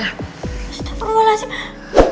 terus tak perlu lah sih